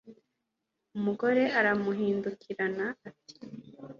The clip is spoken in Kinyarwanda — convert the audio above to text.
umugore aramuhindukirana ati